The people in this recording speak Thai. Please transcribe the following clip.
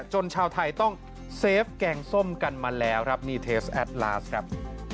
ชาวไทยต้องเซฟแกงส้มกันมาแล้วครับนี่เทสแอดลาสครับ